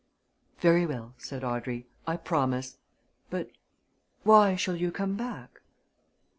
"Very well," said Audrey, "I promise. But why shall you come back?"